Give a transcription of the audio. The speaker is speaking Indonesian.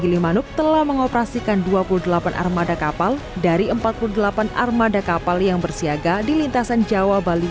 gilimanuk telah mengoperasikan dua puluh delapan armada kapal dari empat puluh delapan armada kapal yang bersiaga di lintasan jawa bali